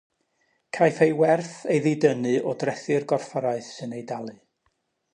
Caiff ei werth ei ddidynnu o drethi'r gorfforaeth sy'n ei dalu.